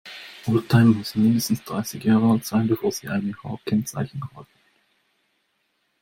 Oldtimer müssen mindestens dreißig Jahre alt sein, bevor sie ein H-Kennzeichen erhalten.